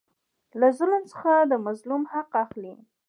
له ظالم څخه د مظلوم حق اخلي.